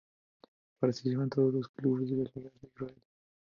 Participan todos los clubes de las ligas de Israel.